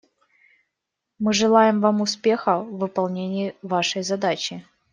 Мы желаем вам успеха в выполнении вашей задачи.